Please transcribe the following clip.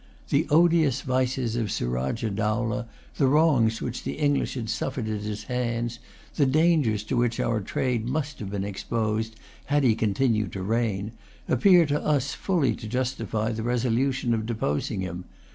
The odious vices of Surajah Dowlah, the wrongs which the English had suffered at his hands, the dangers to which our trade must have been exposed, had he continued to reign, appear to us fully to justify the resolution of deposing him.